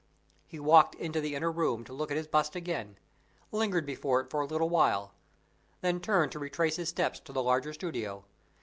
He walked into the inner room to look at his bust again lingered before it for a little while and then turned to retrace his steps to the larger studio.